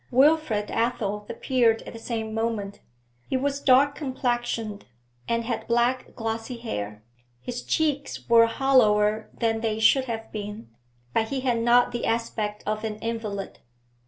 Wilfrid Athel appeared at the same moment; he was dark complexioned and had black, glossy hair; his cheeks were hollower than they should have been, but he had not the aspect of an invalid.